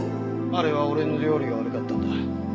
あれは俺の料理が悪かったんだ。